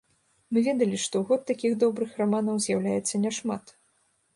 Мы ведалі, што ў год такіх добрых раманаў з'яўляецца няшмат.